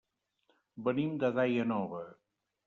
Venim de Daia Nova.